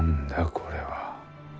これは。